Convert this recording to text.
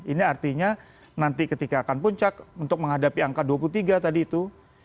ini artinya nanti ketika akan puncak untuk menghadapi angka dua puluh tiga tadi itu